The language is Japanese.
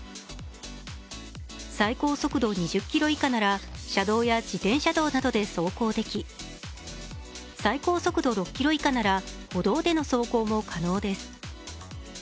最高速度２０キロ以下なら車道や自転車道などで走行でき、最高速度６キロ以下なら歩道での走行も可能です。